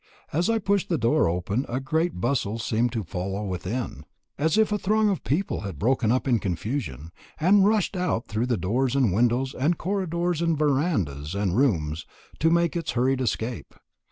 As I pushed the door open a great bustle seemed to follow within, as if a throng of people had broken up in confusion, and rushed out through the doors and windows and corridors and verandas and rooms, to make its hurried escape.